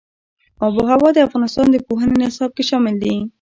آب وهوا د افغانستان د پوهنې نصاب کې شامل دي.